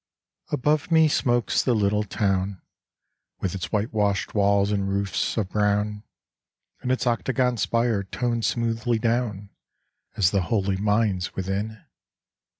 Above me smokes the Httle town, With its whitewashed walls and roofs of brown And its octagon spire toned smoothly down As the holy minds within.